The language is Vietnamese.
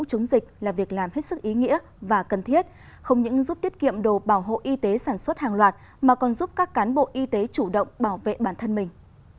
phòng chống dịch là việc làm hết sức ý nghĩa và cần thiết không những giúp tiết kiệm đồ bảo hộ y tế sản xuất hàng loạt mà còn giúp các cán bộ y tế chủ động bảo vệ bản thân mình